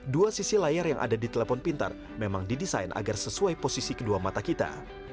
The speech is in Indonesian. dua sisi layar yang ada di telepon pintar memang didesain agar sesuai posisi kedua mata kita